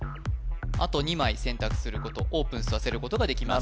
あと２枚選択することオープンさせることができます